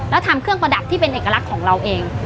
แล้วทำเครื่องประดับที่เป็นเอกลักษณ์ของเราเอง